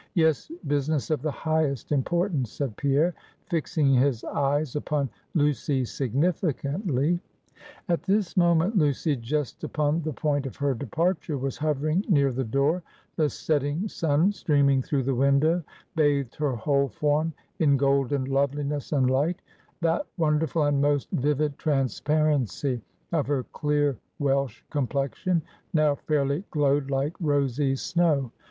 "Yes, business of the highest importance," said Pierre, fixing his eyes upon Lucy significantly. At this moment, Lucy just upon the point of her departure, was hovering near the door; the setting sun, streaming through the window, bathed her whole form in golden loveliness and light; that wonderful, and most vivid transparency of her clear Welsh complexion, now fairly glowed like rosy snow.